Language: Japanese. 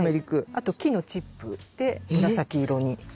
あと木のチップで紫色になって。